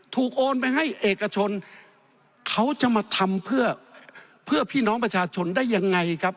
ถูกโอนไปให้เอกชนเขาจะมาทำเพื่อพี่น้องประชาชนได้อย่างไรครับ